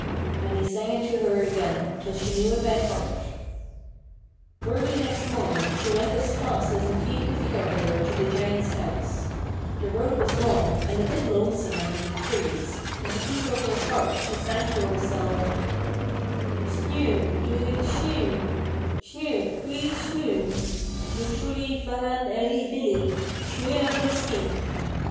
And he sang it to her again, till she knew it by heart. Early next morning, she went as fast as her feet could carry her to the Giant's house. The road was long, and a bit lonesome under the trees, and to keep up her heart she sang to herself: 'Snieu, queeyl, snieu; snieu, queeyl, snieu; Dy chooilley vangan er y villey, snieu er my skyn.